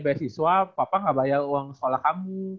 bayar siswa papa gak bayar uang sekolah kamu